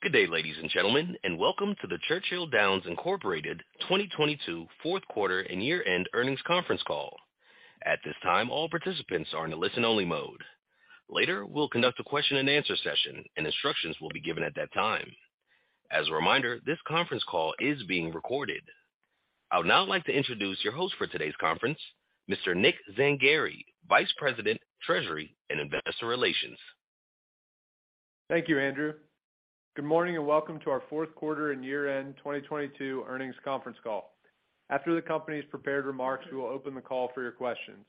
Good day, ladies and gentlemen, and welcome to the Churchill Downs Incorporated 2022 fourth quarter and year-end earnings conference call. At this time, all participants are in a listen-only mode. Later, we'll conduct a question-and-answer session, and instructions will be given at that time. As a reminder, this conference call is being recorded. I would now like to introduce your host for today's conference, Mr. Nick Zangari, Vice President, Treasury and Investor Relations. Thank you, Andrew. Good morning, welcome to our fourth quarter and year-end 2022 earnings conference call. After the company's prepared remarks, we will open the call for your questions.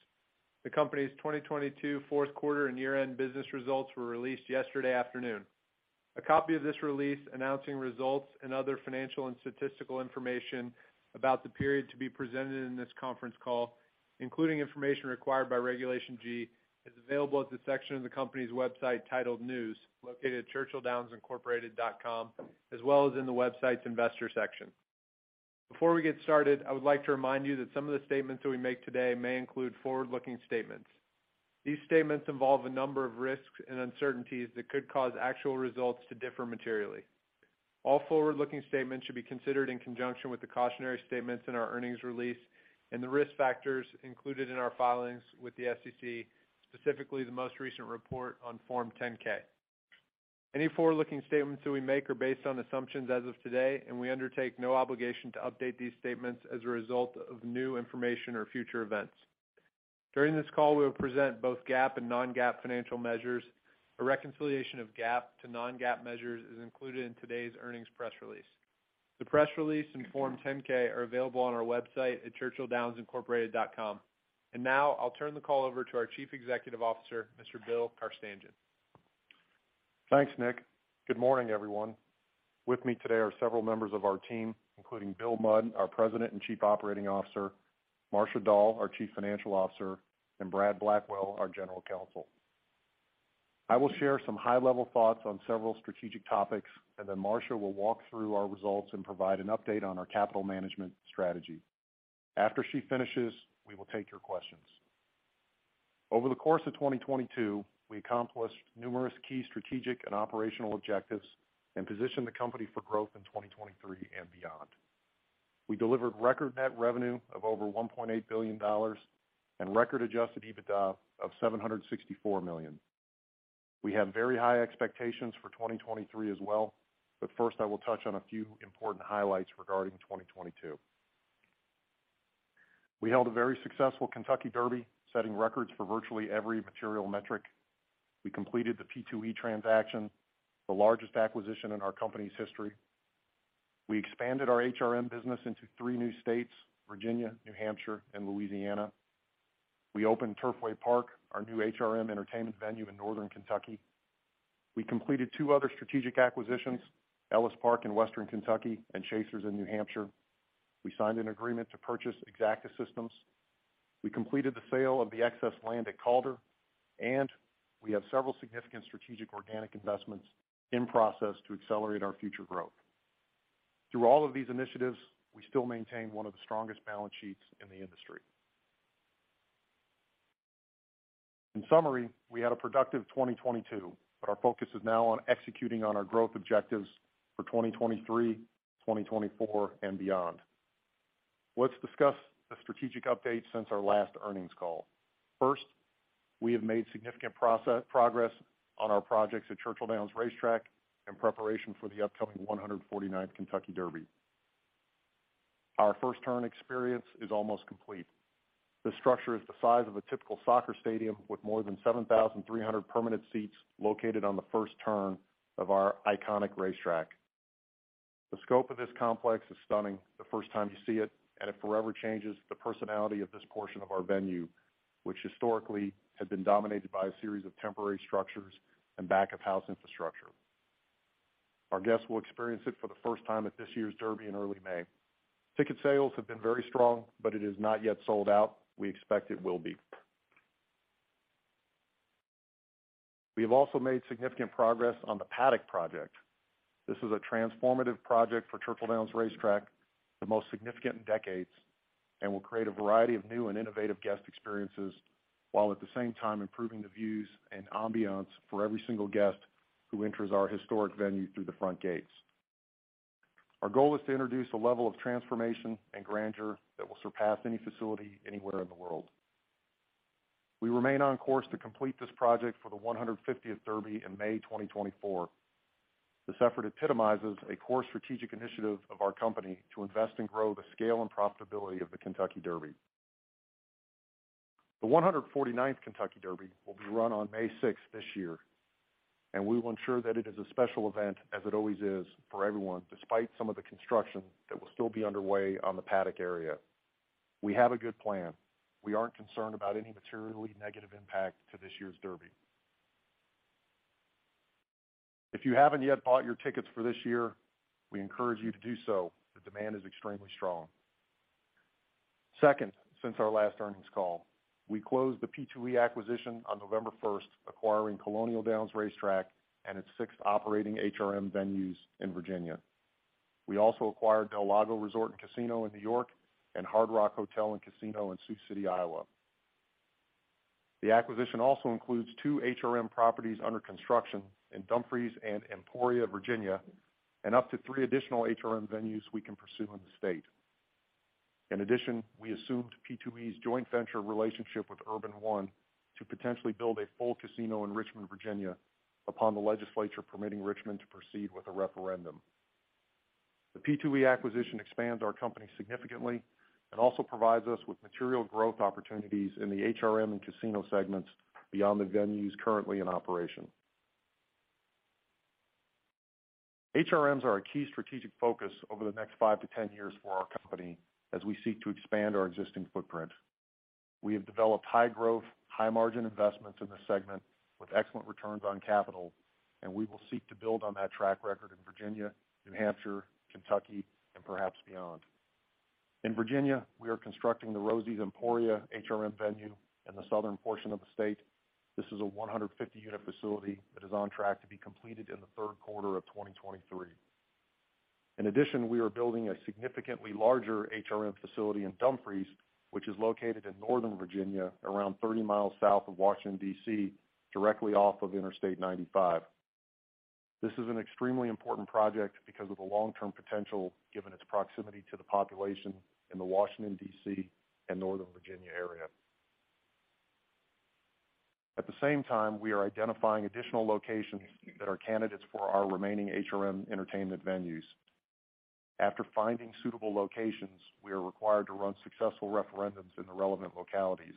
The company's 2022 fourth quarter and year-end business results were released yesterday afternoon. A copy of this release announcing results and other financial and statistical information about the period to be presented in this conference call, including information required by Regulation G, is available at the section of the company's website titled News, located at churchilldownsincorporated.com, as well as in the website's investor section. Before we get started, I would like to remind you that some of the statements that we make today may include forward-looking statements. These statements involve a number of risks and uncertainties that could cause actual results to differ materially. All forward-looking statements should be considered in conjunction with the cautionary statements in our earnings release and the risk factors included in our filings with the SEC, specifically the most recent report on Form 10-K. Any forward-looking statements that we make are based on assumptions as of today, and we undertake no obligation to update these statements as a result of new information or future events. During this call, we will present both GAAP and non-GAAP financial measures. A reconciliation of GAAP to non-GAAP measures is included in today's earnings press release. The press release and Form 10-K are available on our website at churchilldownsincorporated.com. Now I'll turn the call over to our Chief Executive Officer, Mr. Bill Carstanjen. Thanks, Nick. Good morning, everyone. With me today are several members of our team, including Bill Mudd, our President and Chief Operating Officer, Marcia Dall, our Chief Financial Officer, and Brad Blackwell, our General Counsel. I will share some high-level thoughts on several strategic topics. Marcia will walk through our results and provide an update on our capital management strategy. After she finishes, we will take your questions. Over the course of 2022, we accomplished numerous key strategic and operational objectives and positioned the company for growth in 2023 and beyond. We delivered record net revenue of over $1.8 billion and record Adjusted EBITDA of $764 million. We have very high expectations for 2023 as well. I will touch on a few important highlights regarding 2022. We held a very successful Kentucky Derby, setting records for virtually every material metric. We completed the P2E transaction, the largest acquisition in our company's history. We expanded our HRM business into three new states, Virginia, New Hampshire, and Louisiana. We opened Turfway Park, our new HRM entertainment venue in Northern Kentucky. We completed two other strategic acquisitions, Ellis Park in Western Kentucky and Chasers in New Hampshire. We signed an agreement to purchase Exacta Systems. We completed the sale of the excess land at Calder. We have several significant strategic organic investments in process to accelerate our future growth. Through all of these initiatives, we still maintain one of the strongest balance sheets in the industry. In summary, we had a productive 2022. Our focus is now on executing on our growth objectives for 2023, 2024, and beyond. Let's discuss the strategic updates since our last earnings call. First, we have made significant progress on our projects at Churchill Downs Racetrack in preparation for the upcoming 149th Kentucky Derby. Our first turn experience is almost complete. The structure is the size of a typical soccer stadium with more than 7,300 permanent seats located on the first turn of our iconic racetrack. The scope of this complex is stunning the first time you see it forever changes the personality of this portion of our venue, which historically had been dominated by a series of temporary structures and back-of-house infrastructure. Our guests will experience it for the first time at this year's Derby in early May. Ticket sales have been very strong, it is not yet sold out. We expect it will be. We have also made significant progress on the Paddock project. This is a transformative project for Churchill Downs Racetrack, the most significant in decades, and will create a variety of new and innovative guest experiences, while at the same time improving the views and ambiance for every single guest who enters our historic venue through the front gates. Our goal is to introduce a level of transformation and grandeur that will surpass any facility anywhere in the world. We remain on course to complete this project for the 150th Derby in May 2024. This effort epitomizes a core strategic initiative of our company to invest and grow the scale and profitability of the Kentucky Derby. The 149th Kentucky Derby will be run on May 6th this year. We will ensure that it is a special event, as it always is, for everyone, despite some of the construction that will still be underway on the Paddock area. We have a good plan. We aren't concerned about any materially negative impact to this year's Derby. If you haven't yet bought your tickets for this year, we encourage you to do so. The demand is extremely strong. Second, since our last earnings call, we closed the P2E acquisition on November 1st, acquiring Colonial Downs Racetrack and its six operating HRM venues in Virginia. We also acquired del Lago Resort & Casino in New York and Hard Rock Hotel & Casino in Sioux City, Iowa. The acquisition also includes two HRM properties under construction in Dumfries and Emporia, Virginia, and up to three additional HRM venues we can pursue in the state. In addition, we assumed P2E's joint venture relationship with Urban One to potentially build a full casino in Richmond, Virginia, upon the legislature permitting Richmond to proceed with a referendum. The P2E acquisition expands our company significantly and also provides us with material growth opportunities in the HRM and casino segments beyond the venues currently in operation. HRMs are our key strategic focus over the next 5-10 years for our company as we seek to expand our existing footprint. We have developed high-growth, high-margin investments in this segment with excellent returns on capital, and we will seek to build on that track record in Virginia, New Hampshire, Kentucky, and perhaps beyond. In Virginia, we are constructing the Rosie's Emporia HRM venue in the southern portion of the state. This is a 150-unit facility that is on track to be completed in the third quarter of 2023. In addition, we are building a significantly larger HRM facility in Dumfries, which is located in Northern Virginia, around 30 miles south of Washington, D.C., directly off of Interstate 95. This is an extremely important project because of the long-term potential given its proximity to the population in the Washington, D.C., and Northern Virginia area. At the same time, we are identifying additional locations that are candidates for our remaining HRM entertainment venues. After finding suitable locations, we are required to run successful referendums in the relevant localities.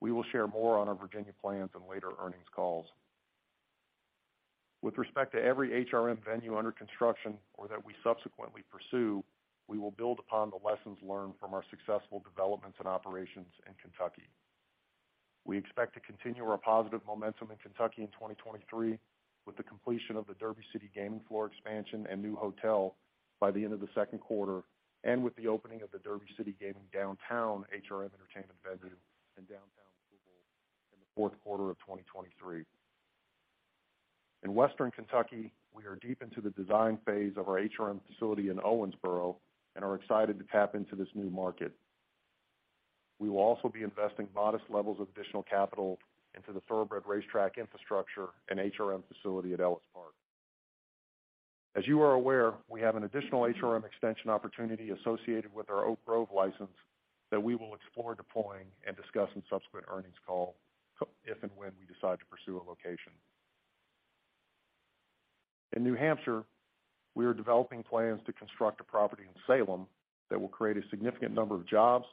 We will share more on our Virginia plans in later earnings calls. With respect to every HRM venue under construction or that we subsequently pursue, we will build upon the lessons learned from our successful developments and operations in Kentucky. We expect to continue our positive momentum in Kentucky in 2023 with the completion of the Derby City Gaming floor expansion and new hotel by the end of the second quarter and with the opening of the Derby City Gaming Downtown HRM entertainment venue in downtown Louisville in the fourth quarter of 2023. In Western Kentucky, we are deep into the design phase of our HRM facility in Owensboro and are excited to tap into this new market. We will also be investing modest levels of additional capital into the thoroughbred racetrack infrastructure and HRM facility at Ellis Park. As you are aware, we have an additional HRM extension opportunity associated with our Oak Grove license that we will explore deploying and discuss in subsequent earnings call if and when we decide to pursue a location. In New Hampshire, we are developing plans to construct a property in Salem that will create a significant number of jobs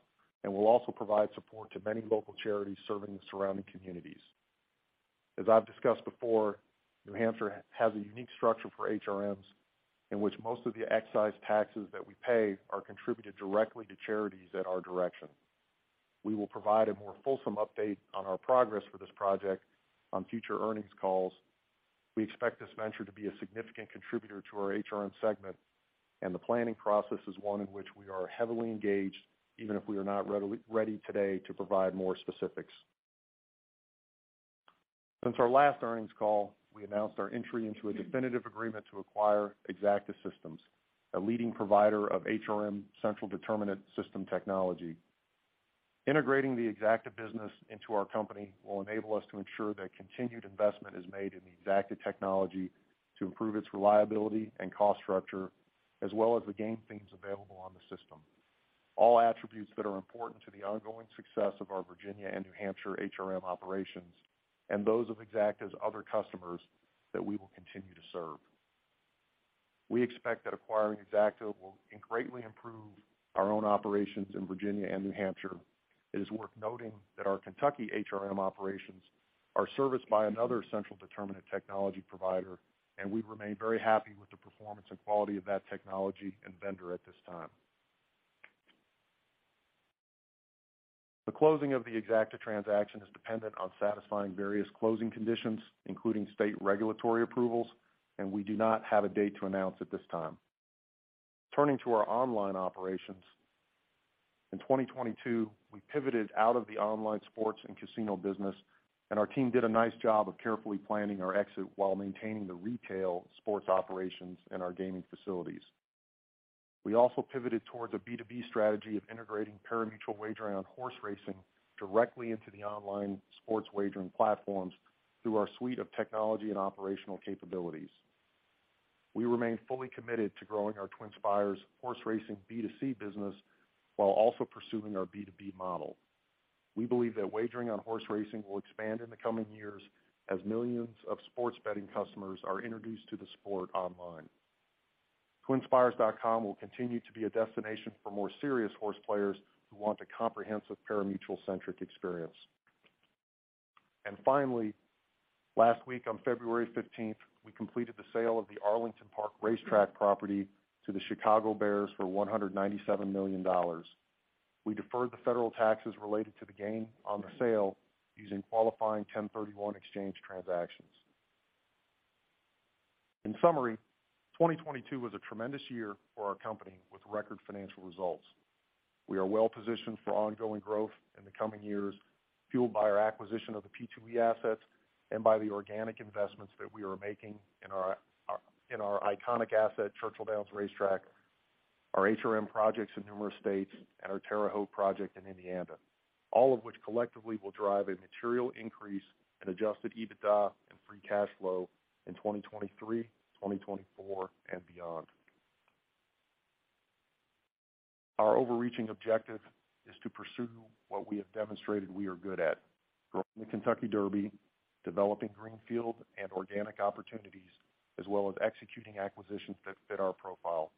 and will also provide support to many local charities serving the surrounding communities. As I've discussed before, New Hampshire has a unique structure for HRMs in which most of the excise taxes that we pay are contributed directly to charities at our direction. We will provide a more fulsome update on our progress for this project on future earnings calls. We expect this venture to be a significant contributor to our HRM segment. The planning process is one in which we are heavily engaged, even if we are not ready today to provide more specifics. Since our last earnings call, we announced our entry into a definitive agreement to acquire Exacta Systems, a leading provider of HRM central determination system technology. Integrating the Exacta business into our company will enable us to ensure that continued investment is made in the Exacta technology to improve its reliability and cost structure, as well as the game themes available on the system. All attributes that are important to the ongoing success of our Virginia and New Hampshire HRM operations and those of Exacta's other customers that we will continue to serve. We expect that acquiring Exacta will greatly improve our own operations in Virginia and New Hampshire. It is worth noting that our Kentucky HRM operations are serviced by another central determinant technology provider. We remain very happy with the performance and quality of that technology and vendor at this time. The closing of the Exacta transaction is dependent on satisfying various closing conditions, including state regulatory approvals. We do not have a date to announce at this time. Turning to our online operations. In 2022, we pivoted out of the online sports and casino business. Our team did a nice job of carefully planning our exit while maintaining the retail sports operations in our gaming facilities. We also pivoted towards a B2B strategy of integrating pari-mutuel wagering on horse racing directly into the online sports wagering platforms through our suite of technology and operational capabilities. We remain fully committed to growing our TwinSpires horse racing B2C business while also pursuing our B2B model. We believe that wagering on horse racing will expand in the coming years as millions of sports betting customers are introduced to the sport online. Twinspires.com will continue to be a destination for more serious horse players who want a comprehensive pari-mutuel-centric experience. Finally, last week on February 15th, we completed the sale of the Arlington Park Racetrack property to the Chicago Bears for $197 million. We deferred the federal taxes related to the gain on the sale using qualifying 1031 exchange transactions. In summary, 2022 was a tremendous year for our company with record financial results. We are well positioned for ongoing growth in the coming years, fueled by our acquisition of the P2E assets and by the organic investments that we are making in our, in our iconic asset, Churchill Downs Racetrack. Our HRM projects in numerous states and our Terre Haute project in Indiana, all of which collectively will drive a material increase in adjusted EBITDA and free cash flow in 2023, 2024 and beyond. Our overreaching objective is to pursue what we have demonstrated we are good at, growing the Kentucky Derby, developing greenfield and organic opportunities, as well as executing acquisitions that fit our profile,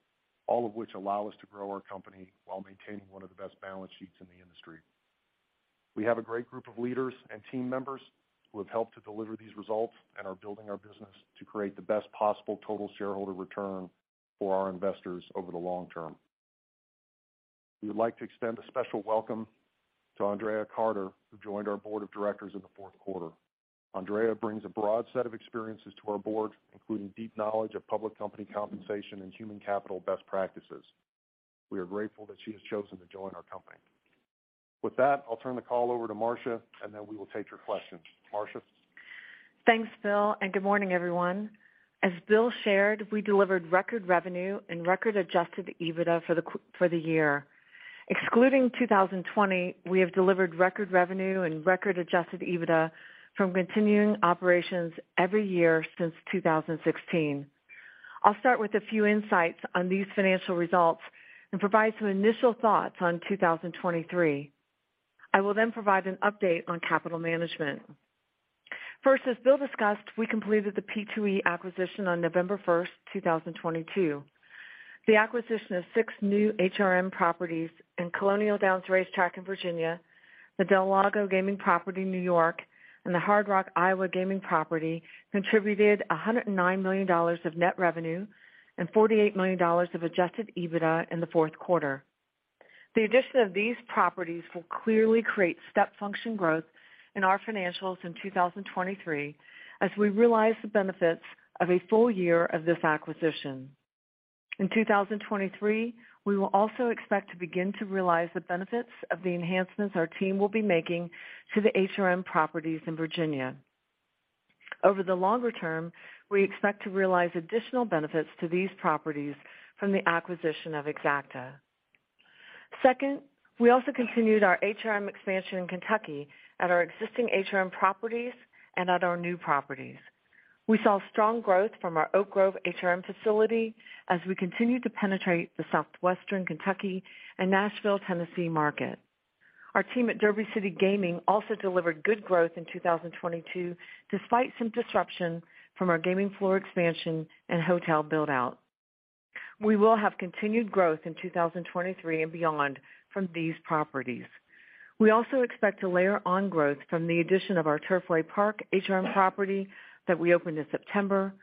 all of which allow us to grow our company while maintaining one of the best balance sheets in the industry. We have a great group of leaders and team members who have helped to deliver these results and are building our business to create the best possible total shareholder return for our investors over the long term. We would like to extend a special welcome to Andréa Carter, who joined our board of directors in the fourth quarter. Andréa brings a broad set of experiences to our board, including deep knowledge of public company compensation and human capital best practices. We are grateful that she has chosen to join our company. With that, I'll turn the call over to Marcia. We will take your questions. Marcia? Thanks, Bill. Good morning, everyone. As Bill shared, we delivered record revenue and record adjusted EBITDA for the year. Excluding 2020, we have delivered record revenue and record adjusted EBITDA from continuing operations every year since 2016. I'll start with a few insights on these financial results and provide some initial thoughts on 2023. I will then provide an update on capital management. First, as Bill discussed, we completed the P2E acquisition on November 1, 2022. The acquisition of six new HRM properties and Colonial Downs Racetrack in Virginia, the del Lago Gaming property in New York, and the Hard Rock Iowa gaming property contributed $109 million of net revenue and $48 million of adjusted EBITDA in the fourth quarter. The addition of these properties will clearly create step function growth in our financials in 2023 as we realize the benefits of a full year of this acquisition. In 2023, we will also expect to begin to realize the benefits of the enhancements our team will be making to the HRM properties in Virginia. Over the longer term, we expect to realize additional benefits to these properties from the acquisition of Exacta. We also continued our HRM expansion in Kentucky at our existing HRM properties and at our new properties. We saw strong growth from our Oak Grove HRM facility as we continue to penetrate the Southwestern Kentucky and Nashville, Tennessee market. Our team at Derby City Gaming also delivered good growth in 2022 despite some disruption from our gaming floor expansion and hotel build-out. We will have continued growth in 2023 and beyond from these properties. We also expect to layer on growth from the addition of our Turfway Park HRM property that we opened in September,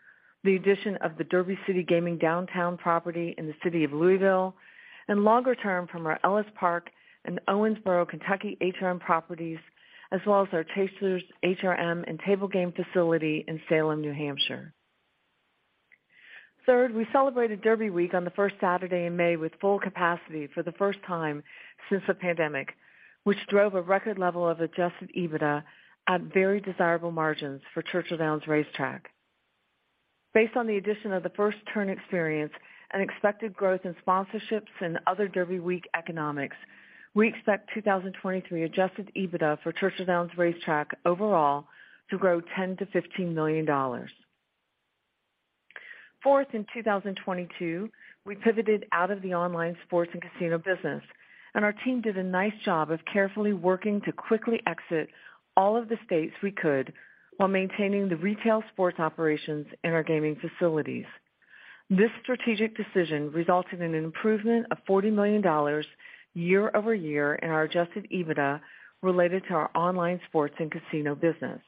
the addition of the Derby City Gaming Downtown property in the city of Louisville, and longer term from our Ellis Park and Owensboro, Kentucky, HRM properties, as well as our Chasers HRM and table game facility in Salem, New Hampshire. Third, we celebrated Derby Week on the first Saturday in May with full capacity for the first time since the pandemic, which drove a record level of adjusted EBITDA at very desirable margins for Churchill Downs Racetrack. Based on the addition of the first turn experience and expected growth in sponsorships and other Derby Week economics, we expect 2023 adjusted EBITDA for Churchill Downs Racetrack overall to grow $10 million-$15 million. In 2022, we pivoted out of the online sports and casino business, and our team did a nice job of carefully working to quickly exit all of the states we could while maintaining the retail sports operations in our gaming facilities. This strategic decision resulted in an improvement of $40 million year-over-year in our adjusted EBITDA related to our online sports and casino business.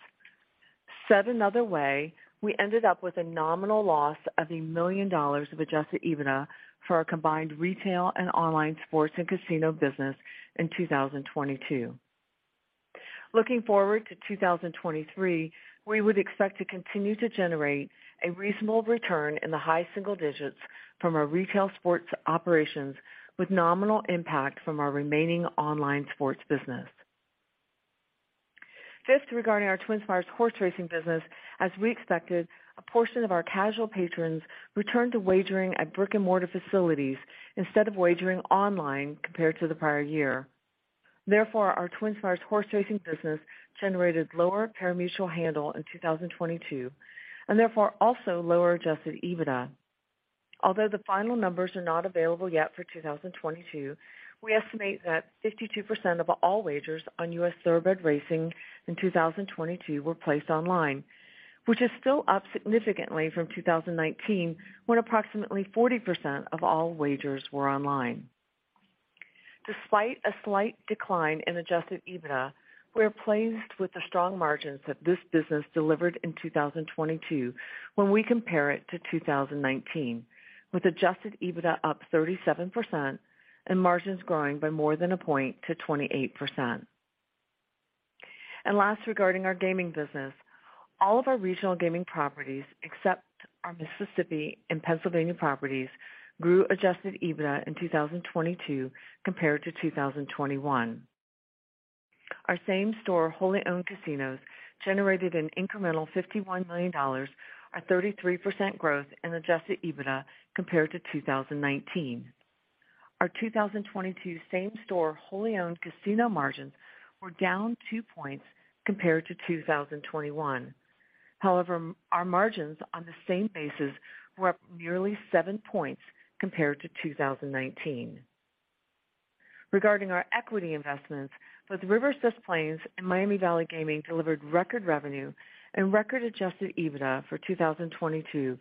Said another way, we ended up with a nominal loss of $1 million of adjusted EBITDA for our combined retail and online sports and casino business in 2022. Looking forward to 2023, we would expect to continue to generate a reasonable return in the high single digits from our retail sports operations with nominal impact from our remaining online sports business. Fifth, regarding our TwinSpires horse racing business, as we expected, a portion of our casual patrons returned to wagering at brick-and-mortar facilities instead of wagering online compared to the prior year. Therefore, our TwinSpires horse racing business generated lower pari-mutuel handle in 2022, and therefore also lower adjusted EBITDA. Although the final numbers are not available yet for 2022, we estimate that 52% of all wagers on U.S. thoroughbred racing in 2022 were placed online, which is still up significantly from 2019, when approximately 40% of all wagers were online. Despite a slight decline in adjusted EBITDA, we are pleased with the strong margins that this business delivered in 2022 when we compare it to 2019, with adjusted EBITDA up 37% and margins growing by more than 1 point to 28%. Last, regarding our gaming business, all of our regional gaming properties, except our Mississippi and Pennsylvania properties, grew adjusted EBITDA in 2022 compared to 2021. Our same store wholly owned casinos generated an incremental $51 million, a 33% growth in adjusted EBITDA compared to 2019. Our 2022 same store wholly owned casino margins were down 2 points compared to 2021. However, our margins on the same basis were up nearly seven points compared to 2019. Regarding our equity investments, both Rivers Casino Des Plaines and Miami Valley Gaming delivered record revenue and record adjusted EBITDA for 2022,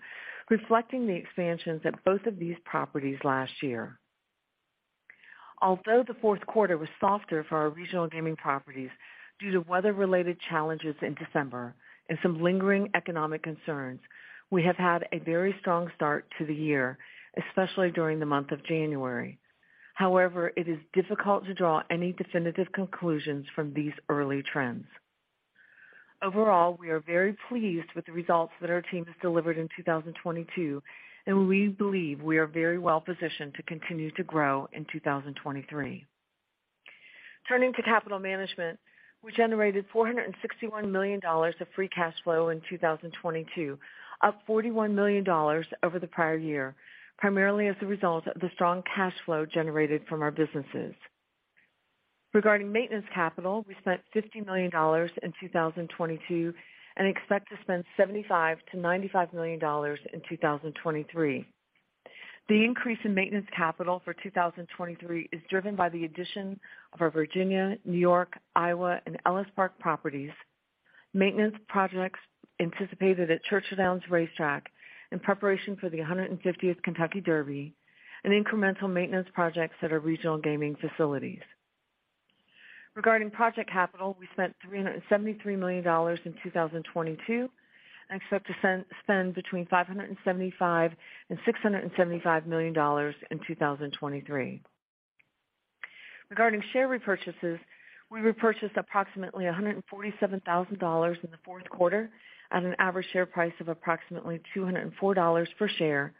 reflecting the expansions at both of these properties last year. The fourth quarter was softer for our regional gaming properties due to weather-related challenges in December and some lingering economic concerns, we have had a very strong start to the year, especially during the month of January. It is difficult to draw any definitive conclusions from these early trends. We are very pleased with the results that our team has delivered in 2022, and we believe we are very well positioned to continue to grow in 2023. Turning to capital management, we generated $461 million of free cash flow in 2022, up $41 million over the prior year, primarily as a result of the strong cash flow generated from our businesses. Regarding maintenance capital, we spent $50 million in 2022 and expect to spend $75 million-$95 million in 2023. The increase in maintenance capital for 2023 is driven by the addition of our Virginia, New York, Iowa and Ellis Park properties, maintenance projects anticipated at Churchill Downs Racetrack in preparation for the 150th Kentucky Derby, and incremental maintenance projects at our regional gaming facilities. Regarding project capital, we spent $373 million in 2022 and expect to spend between $575 million and $675 million in 2023. Regarding share repurchases, we repurchased approximately $147,000 in the fourth quarter at an average share price of approximately $204 per share,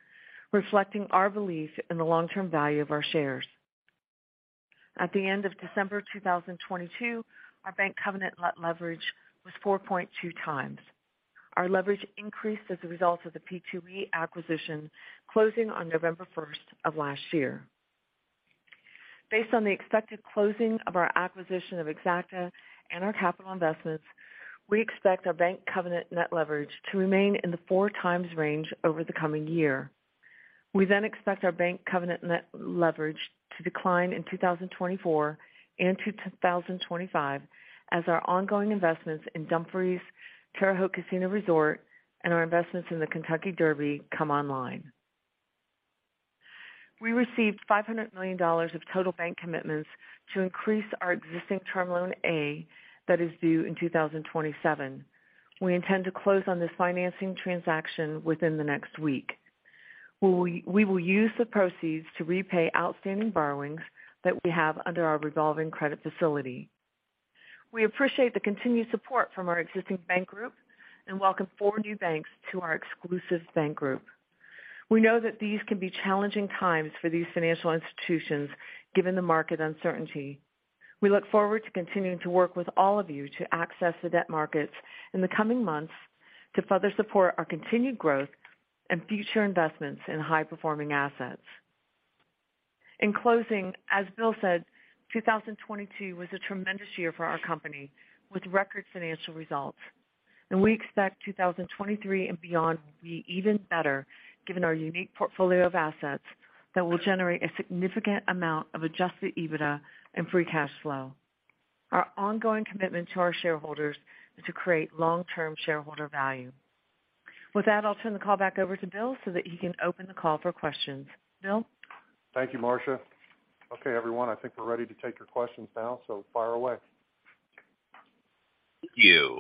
reflecting our belief in the long-term value of our shares. At the end of December 2022, our bank covenant leverage was 4.2x. Our leverage increased as a result of the P2E acquisition closing on November first of last year. Based on the expected closing of our acquisition of Exacta and our capital investments, we expect our bank covenant net leverage to remain in the 4x range over the coming year. We expect our bank covenant net leverage to decline in 2024 and 2025 as our ongoing investments in Dumfries, Terre Haute Casino Resort and our investments in the Kentucky Derby come online. We received $500 million of total bank commitments to increase our existing Term Loan A that is due in 2027. We intend to close on this financing transaction within the next week. We will use the proceeds to repay outstanding borrowings that we have under our revolving credit facility. We appreciate the continued support from our existing bank group and welcome four new banks to our exclusive bank group. We know that these can be challenging times for these financial institutions, given the market uncertainty. We look forward to continuing to work with all of you to access the debt markets in the coming months to further support our continued growth and future investments in high-performing assets. In closing, as Bill said, 2022 was a tremendous year for our company with record financial results. We expect 2023 and beyond to be even better given our unique portfolio of assets that will generate a significant amount of adjusted EBITDA and free cash flow. Our ongoing commitment to our shareholders is to create long-term shareholder value. With that, I'll turn the call back over to Bill so that he can open the call for questions. Bill? Thank you, Marcia. Okay, everyone, I think we're ready to take your questions now, so fire away. Thank you.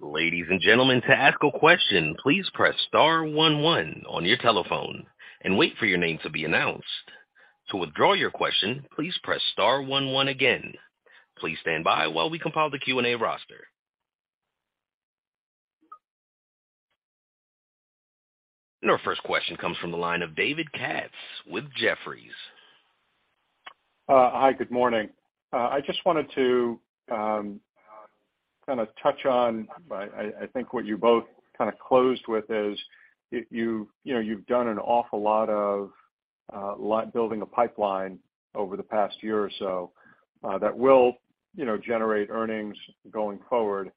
Ladies and gentlemen, to ask a question, please press star one one on your telephone and wait for your name to be announced. To withdraw your question, please press star one one again. Please stand by while we compile the Q&A roster. Our first question comes from the line of David Katz with Jefferies. Hi, good morning. I just wanted to kind of touch on, I think what you both kind of closed with is you know, you've done an awful lot of building a pipeline over the past year or so that will, you know, generate earnings going forward.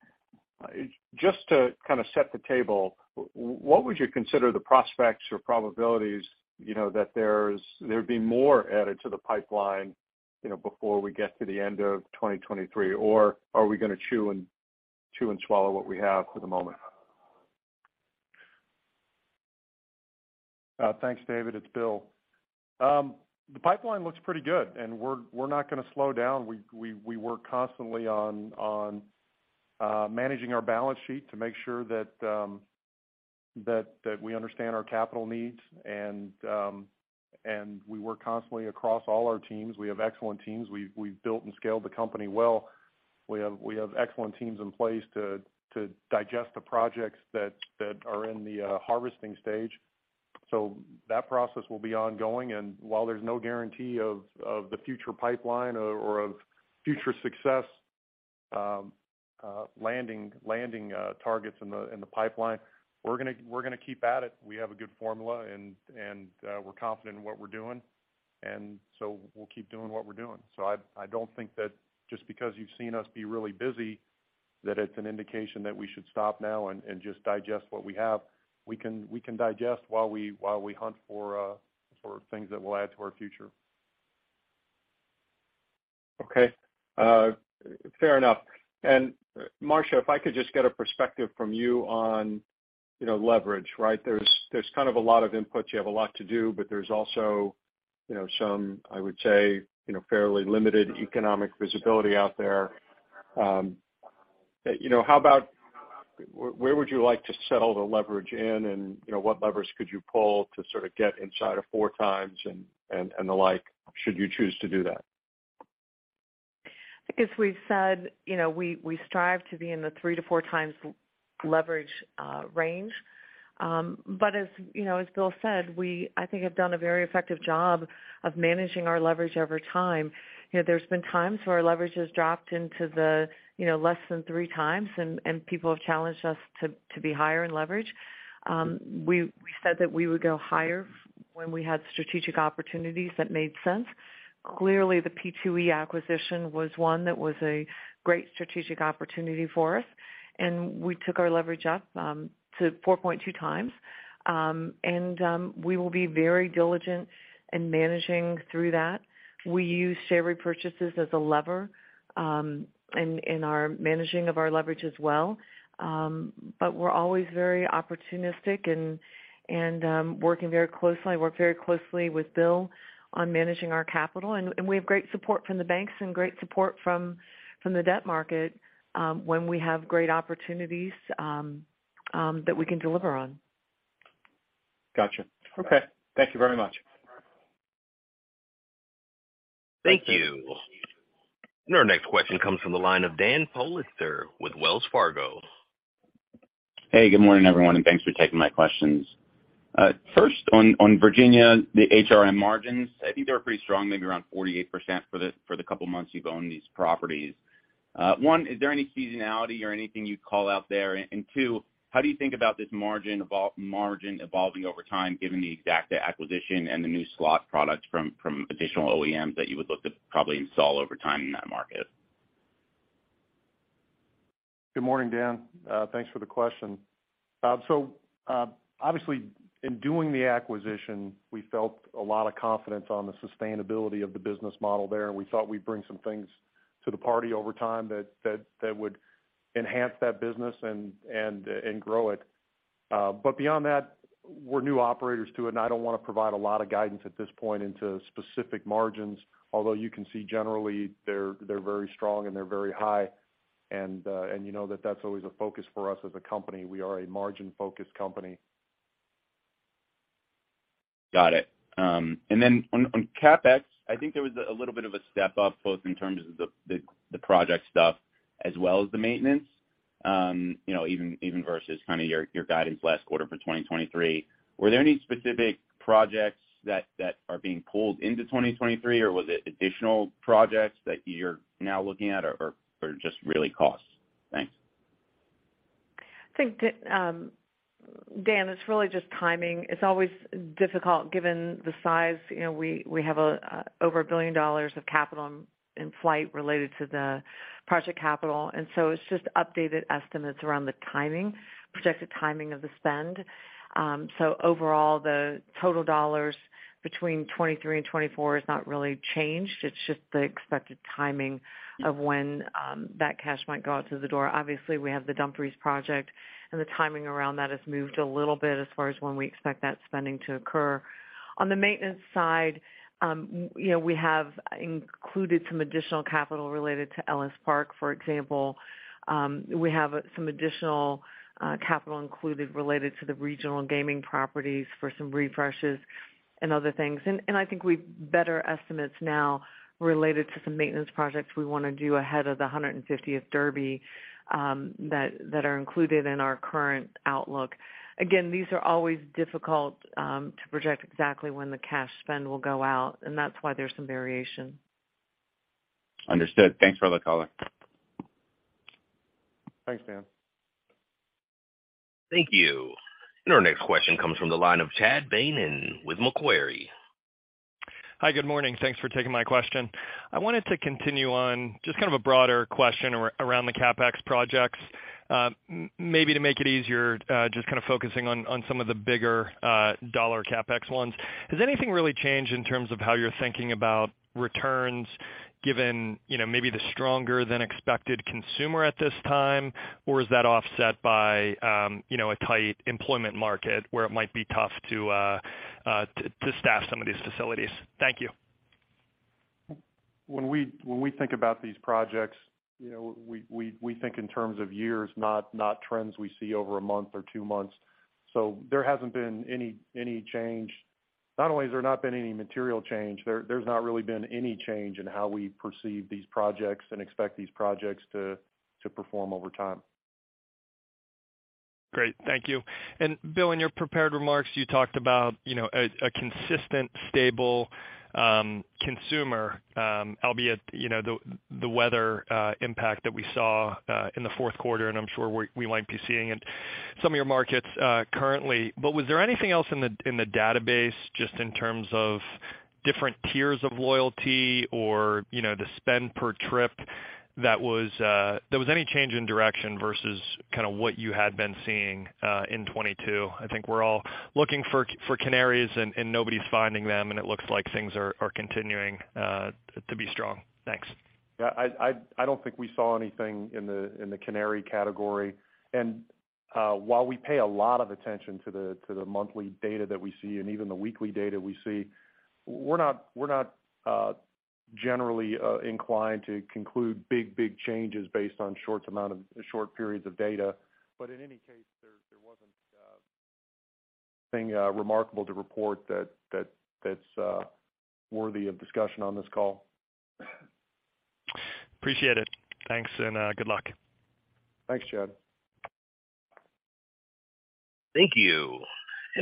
Just to kind of set the table, what would you consider the prospects or probabilities, you know, that there'd be more added to the pipeline, you know, before we get to the end of 2023? Or are we going to chew and swallow what we have for the moment? Thanks, David. It's Bill. The pipeline looks pretty good. We're not going to slow down. We work constantly on managing our balance sheet to make sure that we understand our capital needs. We work constantly across all our teams. We have excellent teams. We've built and scaled the company well. We have excellent teams in place to digest the projects that are in the harvesting stage. That process will be ongoing. While there's no guarantee of the future pipeline or of future success, landing targets in the pipeline, we're gonna keep at it. We have a good formula and we're confident in what we're doing, we'll keep doing what we're doing. I don't think that just because you've seen us be really busy that it's an indication that we should stop now and just digest what we have. We can digest while we hunt for sort of things that will add to our future. Okay. fair enough. Marcia, if I could just get a perspective from you on, you know, leverage, right? There's kind of a lot of inputs. You have a lot to do, but there's also, you know, some, I would say, you know, fairly limited economic visibility out there. you know, how about where would you like to settle the leverage in, and, you know, what levers could you pull to sort of get inside of 4x and the like should you choose to do that? I guess we've said, we strive to be in the 3x-4x leverage range. As Bill said, we I think have done a very effective job of managing our leverage over time. There's been times where our leverage has dropped into the less than 3x and people have challenged us to be higher in leverage. We said that we would go higher when we had strategic opportunities that made sense. Clearly, the P2E acquisition was one that was a great strategic opportunity for us, and we took our leverage up to 4.2x. We will be very diligent in managing through that. We use share repurchases as a lever in our managing of our leverage as well. We're always very opportunistic and working very closely. I work very closely with Bill on managing our capital. We have great support from the banks and great support from the debt market, when we have great opportunities that we can deliver on. Gotcha. Okay. Thank you very much. Thank you. Our next question comes from the line of Daniel Politzer with Wells Fargo. Good morning, everyone. Thanks for taking my questions. First on Virginia, the HRM margins, I think they were pretty strong, maybe around 48% for the couple months you've owned these properties. One, is there any seasonality or anything you'd call out there? 2, how do you think about this margin evolving over time, given the Exacta acquisition and the new slot products from additional OEMs that you would look to probably install over time in that market? Good morning, Dan. Thanks for the question. Obviously in doing the acquisition, we felt a lot of confidence on the sustainability of the business model there, and we thought we'd bring some things to the party over time that would enhance that business and grow it. Beyond that, we're new operators to it, and I don't wanna provide a lot of guidance at this point into specific margins. Although you can see generally they're very strong and they're very high and you know that's always a focus for us as a company. We are a margin-focused company. Got it. On CapEx, I think there was a little bit of a step up, both in terms of the project stuff as well as the maintenance, you know, even versus kinda your guidance last quarter for 2023. Were there any specific projects that are being pulled into 2023, or was it additional projects that you're now looking at, or just really costs? Thanks. I think, Dan, it's really just timing. It's always difficult given the size. You know, we have over $1 billion of capital in flight related to the project capital, and so it's just updated estimates around the timing, projected timing of the spend. Overall, the total dollars between 2023 and 2024 has not really changed. It's just the expected timing of when that cash might go out through the door. Obviously, we have the Dumfries project, and the timing around that has moved a little bit as far as when we expect that spending to occur. On the maintenance side, you know, we have included some additional capital related to Ellis Park, for example. We have some additional capital included related to the regional gaming properties for some refreshes and other things. I think we've better estimates now related to some maintenance projects we wanna do ahead of the 150th Derby that are included in our current outlook. Again, these are always difficult to project exactly when the cash spend will go out, and that's why there's some variation. Understood. Thanks for the color. Thanks, Dan. Thank you. Our next question comes from the line of Chad Beynon with Macquarie. Hi, good morning. Thanks for taking my question. I wanted to continue on just kind of a broader question around the CapEx projects. Maybe to make it easier, just kind of focusing on some of the bigger, dollar CapEx ones. Has anything really changed in terms of how you're thinking about returns given, you know, maybe the stronger than expected consumer at this time? Or is that offset by, you know, a tight employment market where it might be tough to staff some of these facilities? Thank you. When we think about these projects, you know, we think in terms of years, not trends we see over a month or 2 months. There hasn't been any change. Not only has there not been any material change, there's not really been any change in how we perceive these projects and expect these projects to perform over time. Great. Thank you. Bill, in your prepared remarks, you talked about, you know, a consistent, stable consumer, albeit, you know, the weather impact that we saw in the fourth quarter, and I'm sure we might be seeing in some of your markets currently. Was there anything else in the database just in terms of different tiers of loyalty or, you know, the spend per trip that was any change in direction versus kinda what you had been seeing in 22? I think we're all looking for canaries and nobody's finding them, and it looks like things are continuing to be strong. Thanks. Yeah, I don't think we saw anything in the canary category. While we pay a lot of attention to the monthly data that we see and even the weekly data we see, we're not generally inclined to conclude big changes based on short periods of data. In any case, there wasn't anything remarkable to report that's worthy of discussion on this call. Appreciate it. Thanks, and, good luck. Thanks, Chad. Thank you.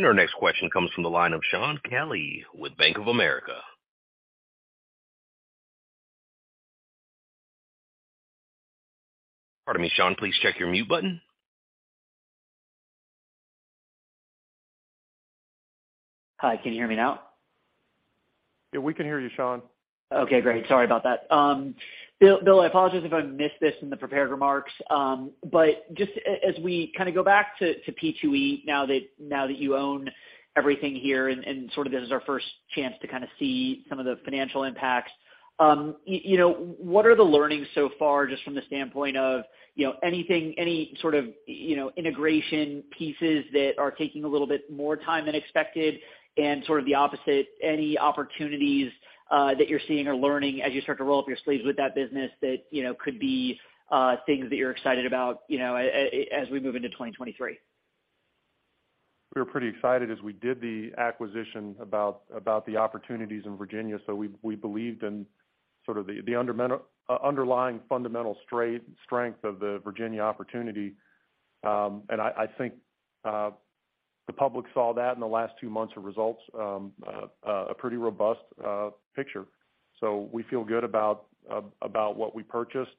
Our next question comes from the line of Shaun Kelley with Bank of America. Pardon me, Shaun, please check your mute button. Hi, can you hear me now? Yeah, we can hear you, Shaun. Okay, great. Sorry about that. Bill, I apologize if I missed this in the prepared remarks. Just as we kinda go back to P2E now that you own everything here and sort of this is our first chance to kinda see some of the financial impacts, you know, what are the learnings so far, just from the standpoint of, you know, anything, any sort of, you know, integration pieces that are taking a little bit more time than expected and sort of the opposite, any opportunities that you're seeing or learning as you start to roll up your sleeves with that business that, you know, could be things that you're excited about, you know, as we move into 2023? We were pretty excited as we did the acquisition about the opportunities in Virginia. We believed in sort of the underlying fundamental strength of the Virginia opportunity. And I think the public saw that in the last two months of results, a pretty robust picture. We feel good about what we purchased.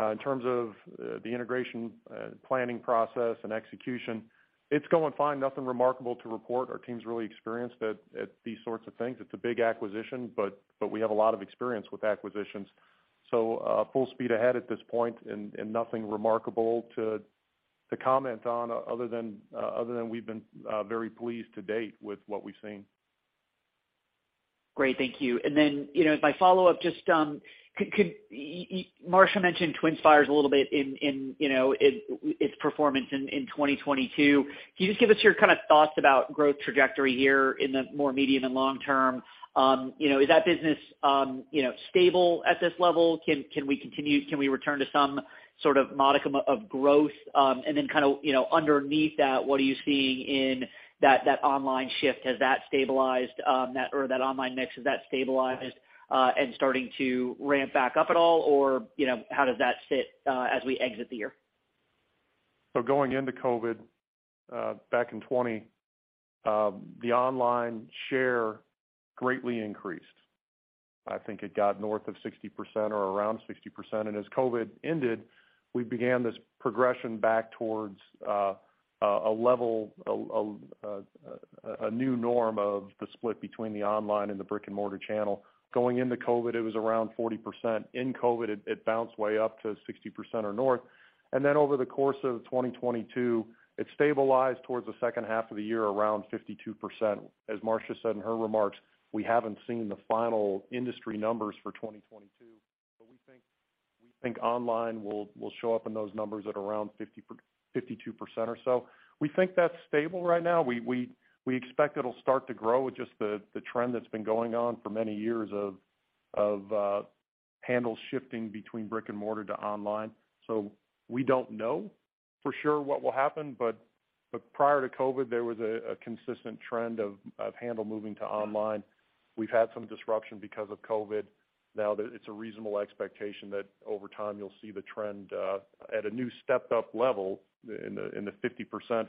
In terms of the integration, planning process and execution, it's going fine. Nothing remarkable to report. Our team's really experienced at these sorts of things. It's a big acquisition, but we have a lot of experience with acquisitions. Full speed ahead at this point and nothing remarkable to comment on other than we've been very pleased to date with what we've seen. Great. Thank you. Then, you know, as my follow-up, just, Marcia mentioned TwinSpires a little bit in, you know, its performance in 2022. Can you just give us your kinda thoughts about growth trajectory here in the more medium and long term? You know, is that business, you know, stable at this level? Can we return to some sort of modicum of growth? Then kinda, you know, underneath that, what are you seeing in that online shift? Has that stabilized, or that online mix, has that stabilized, and starting to ramp back up at all? Or, you know, how does that sit, as we exit the year? Going into COVID, back in 2020, the online share greatly increased. I think it got north of 60% or around 60%. As COVID ended, we began this progression back towards a level, a new norm of the split between the online and the brick-and-mortar channel. Going into COVID, it was around 40%. In COVID, it bounced way up to 60% or north. Over the course of 2022, it stabilized towards the second half of the year around 52%. As Marcia said in her remarks, we haven't seen the final industry numbers for 2022, we think online will show up in those numbers at around 52% or so. We think that's stable right now. We expect it'll start to grow with just the trend that's been going on for many years of handles shifting between brick-and-mortar to online. We don't know for sure what will happen, but prior to COVID, there was a consistent trend of handle moving to online. We've had some disruption because of COVID. Now that it's a reasonable expectation that over time you'll see the trend at a new stepped-up level in the 50%,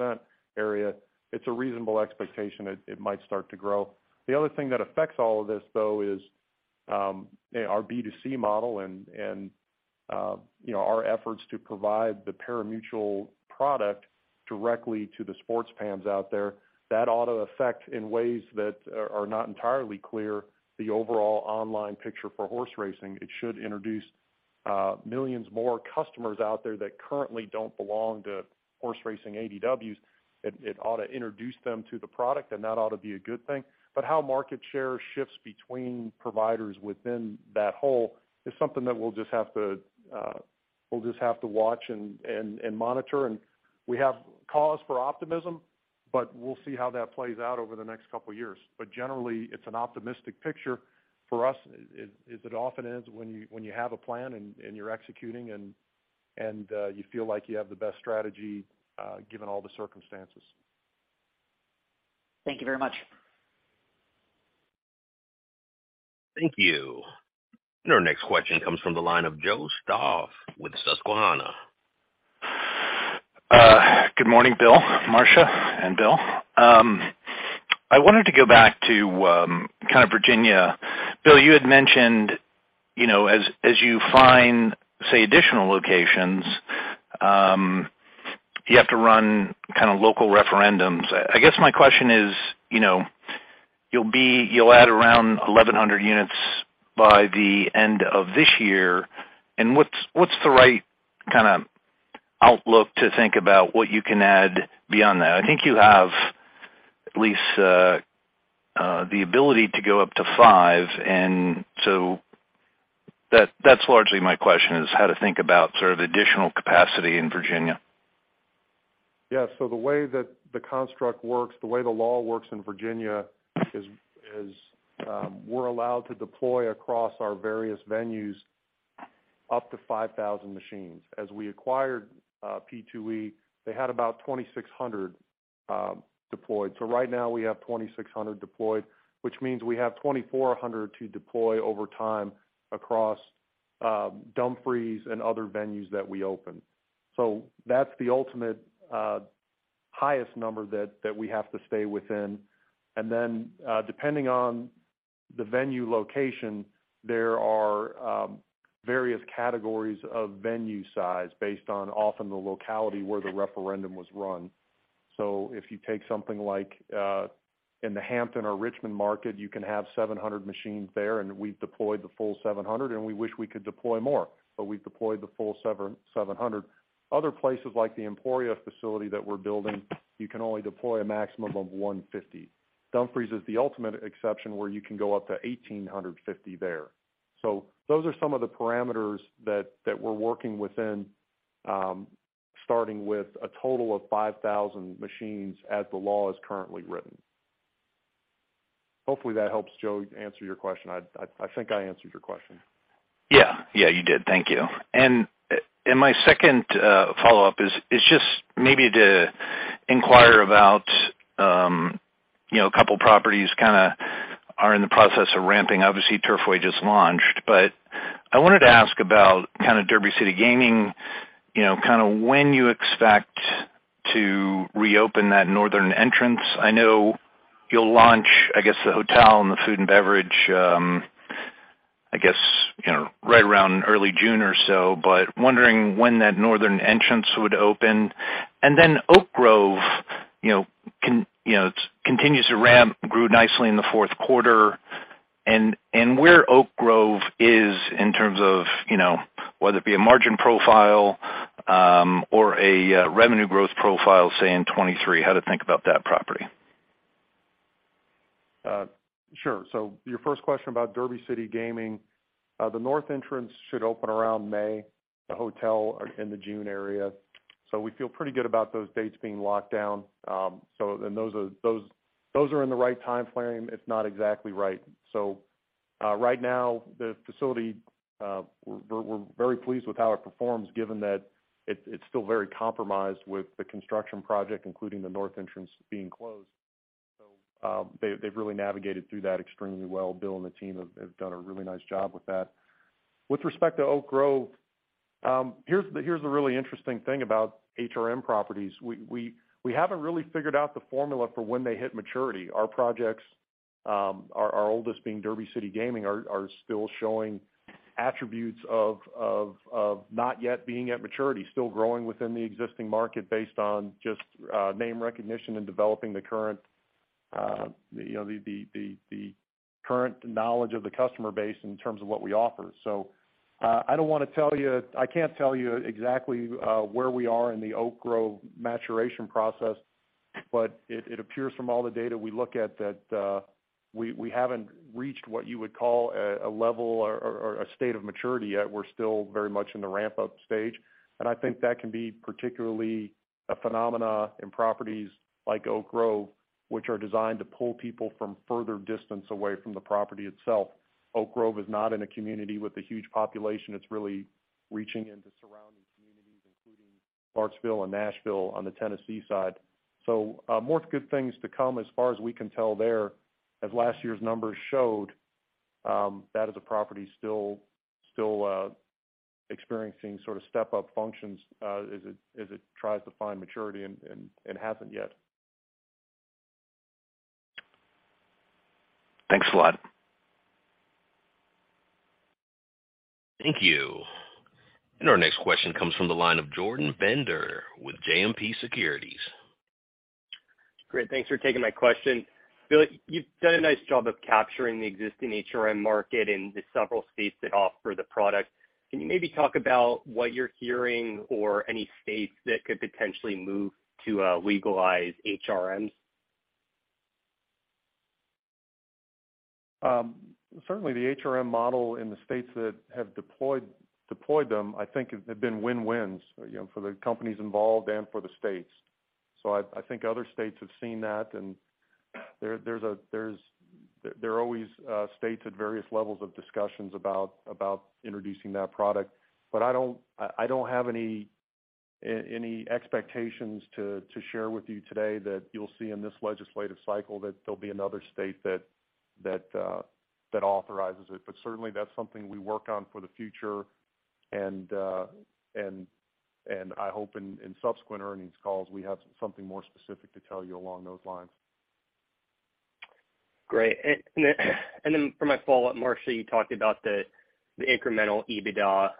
52% area. It's a reasonable expectation it might start to grow. The other thing that affects all of this, though, is our B2C model and, you know, our efforts to provide the pari-mutuel product directly to the sports fans out there. That ought to affect in ways that are not entirely clear the overall online picture for horse racing. It should introduce millions more customers out there that currently don't belong to horse racing ADWs. It ought to introduce them to the product, that ought to be a good thing. How market share shifts between providers within that whole is something that we'll just have to watch and monitor. We have cause for optimism, we'll see how that plays out over the next couple of years. Generally, it's an optimistic picture for us as it often is when you have a plan and you're executing and you feel like you have the best strategy given all the circumstances. Thank you very much. Thank you. Our next question comes from the line of Joseph Stauff with Susquehanna. Good morning, Bill, Marcia, and Bill. I wanted to go back to kind of Virginia. Bill, you had mentioned, you know, as you find, say additional locations, you have to run kind of local referendums. I guess my question is, you know, you'll add around 1,100 units by the end of this year, what's the right kind of outlook to think about what you can add beyond that? I think you have at least the ability to go up to five, that's largely my question is how to think about sort of additional capacity in Virginia. Yeah. The way that the construct works, the way the law works in Virginia is, we're allowed to deploy across our various venues up to 5,000 machines. As we acquired P2E, they had about 2,600 deployed. Right now we have 2,600 deployed, which means we have 2,400 to deploy over time across Dumfries and other venues that we open. That's the ultimate highest number that we have to stay within. Depending on the venue location, there are various categories of venue size based on often the locality where the referendum was run. If you take something like in the Hampton or Richmond market, you can have 700 machines there, and we've deployed the full 700, and we wish we could deploy more, but we've deployed the full 700. Other places like the Emporia facility that we're building, you can only deploy a maximum of 150. Dumfries is the ultimate exception where you can go up to 1,850 there. Those are some of the parameters that we're working within, starting with a total of 5,000 machines as the law is currently written. Hopefully, that helps, Joe, answer your question. I think I answered your question. Yeah. Yeah, you did. Thank you. My second follow-up is just maybe to inquire about, you know, a couple properties kind of are in the process of ramping. Obviously, Turfway just launched. I wanted to ask about kind of Derby City Gaming, you know, kind of when you expect to reopen that northern entrance. I know you'll launch, I guess, the hotel and the food and beverage, I guess, you know, right around early June or so, but wondering when that northern entrance would open. Oak Grove, you know, continues to ramp, grew nicely in the fourth quarter. Where Oak Grove is in terms of, you know, whether it be a margin profile or a revenue growth profile, say in 23, how to think about that property. Sure. Your first question about Derby City Gaming, the north entrance should open around May, the hotel in the June area. We feel pretty good about those dates being locked down. Those are in the right time frame if not exactly right. Right now the facility, we're very pleased with how it performs given that it's still very compromised with the construction project, including the north entrance being closed. They've really navigated through that extremely well. Bill and the team have done a really nice job with that. With respect to Oak Grove, here's the really interesting thing about HRM properties. We haven't really figured out the formula for when they hit maturity. Our projects, our oldest being Derby City Gaming are still showing attributes of not yet being at maturity, still growing within the existing market based on just name recognition and developing the current, you know, the current knowledge of the customer base in terms of what we offer. I can't tell you exactly where we are in the Oak Grove maturation process, but it appears from all the data we look at that we haven't reached what you would call a level or a state of maturity yet. We're still very much in the ramp-up stage. I think that can be particularly a phenomena in properties like Oak Grove, which are designed to pull people from further distance away from the property itself. Oak Grove is not in a community with a huge population. It's really reaching into surrounding communities, including Clarksville and Nashville on the Tennessee side. More good things to come as far as we can tell there. As last year's numbers showed, that is a property still experiencing sort of step-up functions as it tries to find maturity and it hasn't yet. Thanks a lot. Thank you. Our next question comes from the line of Jordan Bender with JMP Securities. Great. Thanks for taking my question. Bill, you've done a nice job of capturing the existing HRM market in the several states that offer the product. Can you maybe talk about what you're hearing or any states that could potentially move to legalize HRMs? Certainly the HRM model in the states that have deployed them, I think have been win-wins, you know, for the companies involved and for the states. I think other states have seen that, and there are always states at various levels of discussions about introducing that product. I don't have any expectations to share with you today that you'll see in this legislative cycle that there'll be another state that authorizes it. Certainly, that's something we work on for the future and I hope in subsequent earnings calls, we have something more specific to tell you along those lines. Great. For my follow-up, Marcia, you talked about the incremental EBITDA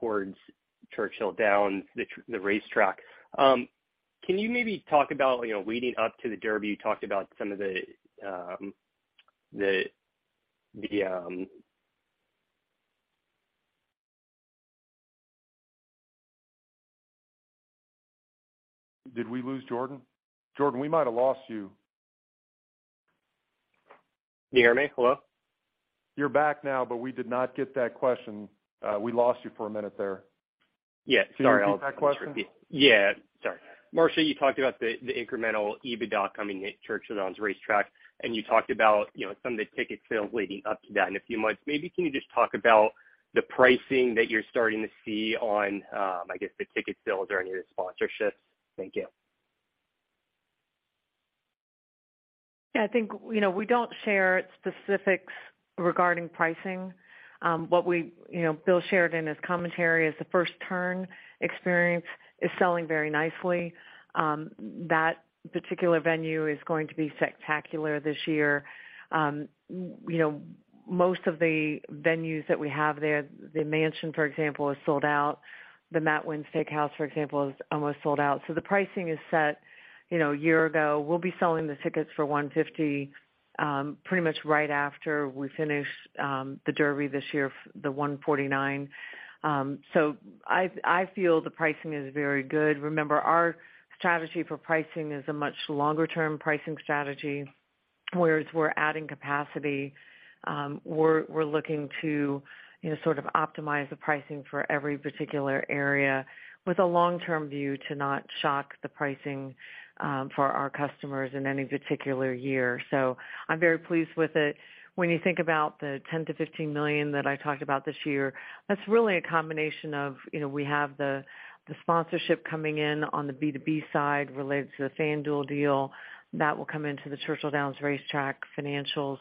towards Churchill Downs, the racetrack. Can you maybe talk about, you know, leading up to the Derby, you talked about some of the, the- Did we lose Jordan? Jordan, we might have lost you. Can you hear me? Hello? You're back now. We did not get that question. We lost you for a minute there. Yeah, sorry. Can you repeat that question? Yeah, sorry. Marcia, you talked about the incremental EBITDA coming at Churchill Downs Racetrack, and you talked about, you know, some of the ticket sales leading up to that in a few months. Maybe can you just talk about the pricing that you're starting to see on, I guess, the ticket sales or any of the sponsorships? Thank you. I think, you know, we don't share specifics regarding pricing. You know, Bill shared in his commentary is the first turn experience is selling very nicely. That particular venue is going to be spectacular this year. You know, most of the venues that we have there, The Mansion, for example, is sold out. Matt Winn's Steakhouse, for example, is almost sold out. The pricing is set, you know, a year ago. We'll be selling the tickets for $150 pretty much right after we finish the Derby this year, the 149. I feel the pricing is very good. Remember, our strategy for pricing is a much longer-term pricing strategy. We're adding capacity, we're looking to, you know, sort of optimize the pricing for every particular area with a long-term view to not shock the pricing for our customers in any particular year. I'm very pleased with it. When you think about the $10 million-$15 million that I talked about this year, that's really a combination of, you know, we have the sponsorship coming in on the B2B side related to the FanDuel deal that will come into the Churchill Downs Racetrack financials.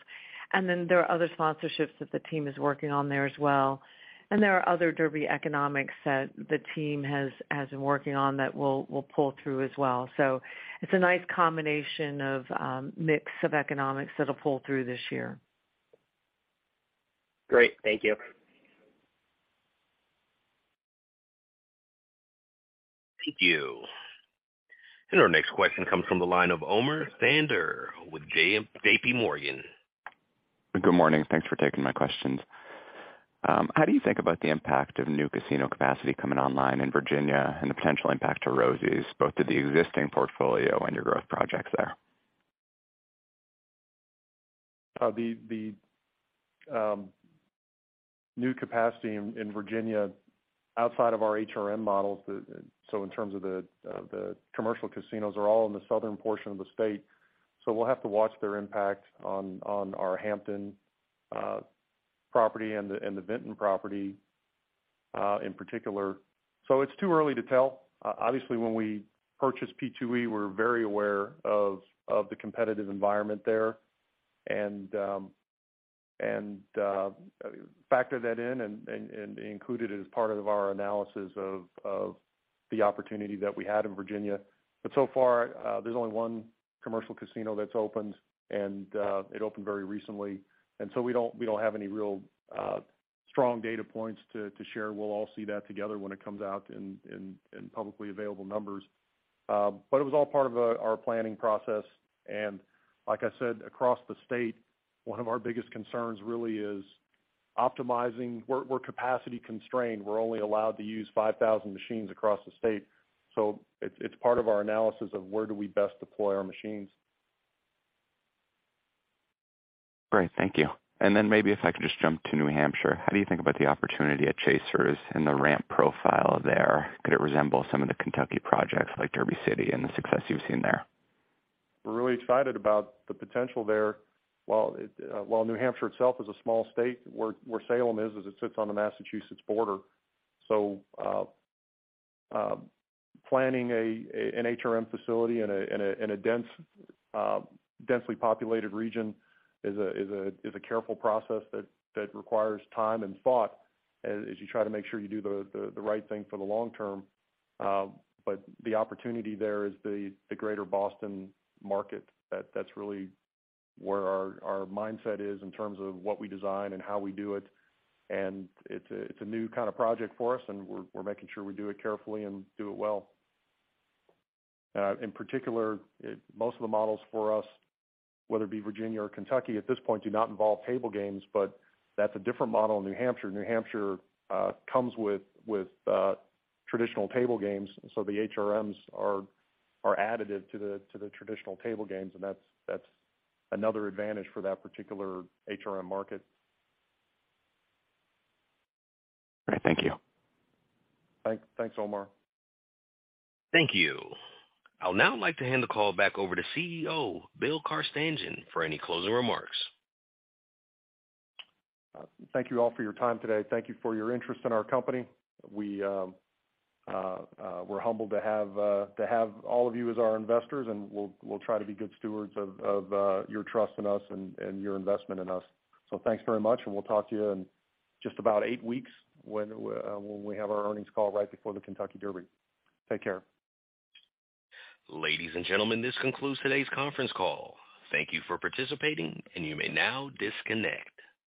There are other sponsorships that the team is working on there as well. There are other derby economics that the team has been working on that we'll pull through as well. It's a nice combination of mix of economics that'll pull through this year. Great. Thank you. Thank you. Our next question comes from the line of Omer Sander with JP Morgan. Good morning. Thanks for taking my questions. How do you think about the impact of new casino capacity coming online in Virginia and the potential impact to Rosie's, both to the existing portfolio and your growth projects there? The new capacity in Virginia outside of our HRM models. In terms of the commercial casinos are all in the southern portion of the state, so we'll have to watch their impact on our Hampton property and the Vinton property in particular. It's too early to tell. Obviously, when we purchased P2E, we're very aware of the competitive environment there and factored that in and included it as part of our analysis of the opportunity that we had in Virginia. So far, there's only one commercial casino that's opened, and it opened very recently. We don't have any real strong data points to share. We'll all see that together when it comes out in publicly available numbers. It was all part of our planning process. Like I said, across the state, one of our biggest concerns is optimizing. We're capacity constrained. We're only allowed to use 5,000 machines across the state. It's part of our analysis of where do we best deploy our machines. Great. Thank you. Maybe if I could just jump to New Hampshire. How do you think about the opportunity at Chasers and the ramp profile there? Could it resemble some of the Kentucky projects like Derby City and the success you've seen there? We're really excited about the potential there. While New Hampshire itself is a small state, where Salem is, it sits on the Massachusetts border. Planning an HRM facility in a dense, densely populated region is a careful process that requires time and thought as you try to make sure you do the right thing for the long term. The opportunity there is the greater Boston market. That's really where our mindset is in terms of what we design and how we do it. It's a new kind of project for us, and we're making sure we do it carefully and do it well. In particular, most of the models for us, whether it be Virginia or Kentucky, at this point, do not involve table games. That's a different model in New Hampshire. New Hampshire comes with traditional table games. The HRMs are additive to the traditional table games. That's another advantage for that particular HRM market. All right. Thank you. Thanks, Omer. Thank you. I'll now like to hand the call back over to CEO, Bill Carstanjen, for any closing remarks. Thank you all for your time today. Thank you for your interest in our company. We're humbled to have all of you as our investors, and we'll try to be good stewards of your trust in us and your investment in us. Thanks very much, and we'll talk to you in just about 8 weeks when we have our earnings call right before the Kentucky Derby. Take care. Ladies and gentlemen, this concludes today's conference call. Thank you for participating. You may now disconnect.